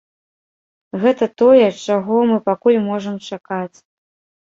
Гэта тое, чаго мы пакуль можам чакаць.